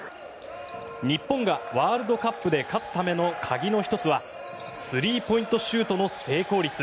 日本がワールドカップで勝つための鍵の１つはスリーポイントシュートの成功率。